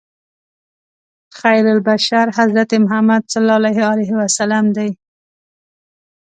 خیرالبشر حضرت محمد صلی الله علیه وسلم دی.